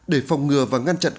để phòng ngừa và ngăn chặn